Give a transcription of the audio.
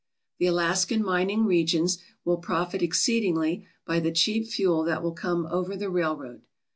The Alaskan mining regions will profit exceedingly by the cheap fuel that will come over the railroad.